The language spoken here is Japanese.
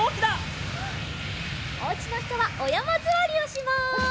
おうちのひとはおやまずわりをします。